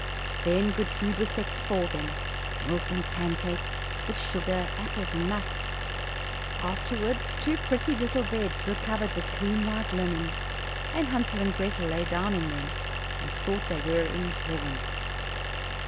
Then good food was set before them, milk and pancakes, with sugar, apples, and nuts. Afterwards two pretty little beds were covered with clean white linen, and Hansel and Grethel lay down in them, and thought they were in heaven.